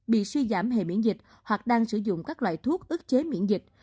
bị suy giảm hệ miễn dịch hoặc đang sử dụng các loại thuốc ức chế miễn dịch